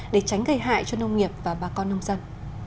để tránh gây hại cho nông nghiệp và bà con nông dân